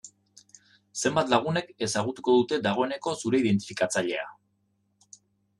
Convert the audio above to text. Zenbat lagunek ezagutuko dute, dagoeneko zure identifikatzailea?